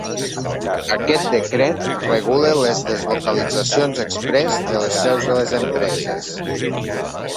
Aquest decret regula les deslocalitzacions exprés de les seus de les empreses.